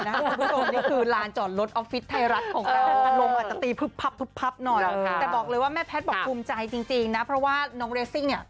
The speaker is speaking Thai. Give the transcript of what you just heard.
ก็คือบทที่จะทำอะไรก็ถ้าทำก็คือทำได้สุดเลย